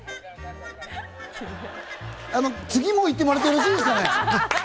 次もういってもらってよろしいですかね。